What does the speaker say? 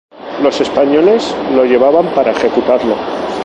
Los españoles lo llevaban para ejecutarlo.